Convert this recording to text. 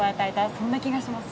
そんな気がします。